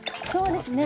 そうですね。